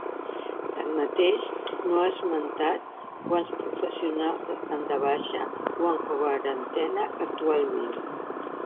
Tanmateix, no ha esmentat quants professionals estan de baixa o en quarantena actualment.